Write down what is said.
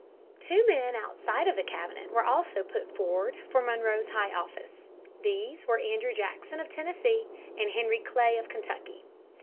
Two men outside of the cabinet were also put forward for Monroe's high office. These were Andrew Jackson of Tennessee and Henry Clay of Kentucky.